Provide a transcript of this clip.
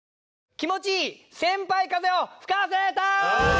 気持ちいい先輩風を吹かせたーい！